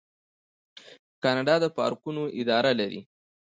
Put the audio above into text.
کاناډا د پارکونو اداره لري.